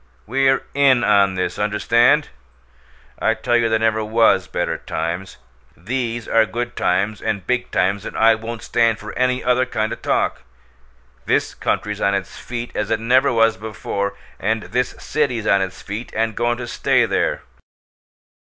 We're IN on this understand? I tell you there never WAS better times. These are good times and big times, and I won't stand for any other kind o' talk. This country's on its feet as it never was before, and this city's on its feet and goin' to stay there!"